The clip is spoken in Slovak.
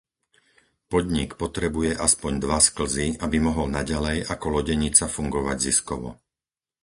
Podnik potrebuje aspoň dva sklzy, aby mohol naďalej ako lodenica fungovať ziskovo.